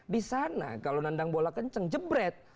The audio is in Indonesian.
di sana kalau nandang bola kenceng jebret